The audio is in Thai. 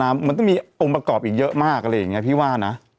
มันต้องมีองค์ประกอบอีกเยอะมากอะไรอย่างนี้พี่ว่านะ